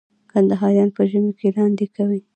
کندهاریان په ژمي کي لاندی کوي.